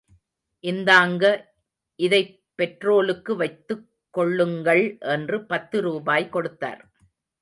இந்தாங்க இதைப் பெட்ரோலுக்கு வைத்துக் கொள்ளுங்கள் என்று பத்து ரூபாய் கொடுத்தார்.